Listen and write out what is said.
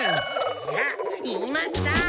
いや言いました。